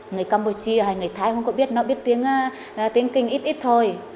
người campuchia hay người thái không có biết nó biết tiếng kinh ít ít thôi